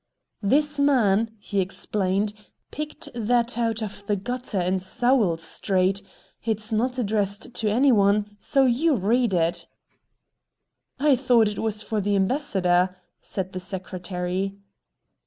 "This man," he explained, "picked that out of the gutter in Sowell Street, It's not addressed to any one, so you read it!" "I thought it was for the Ambassador!" said the Secretary.